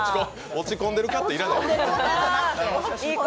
落ち込んでるカット要らない。